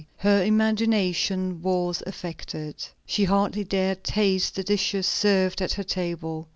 Her imagination was affected. She hardly dared taste the dishes served at her table.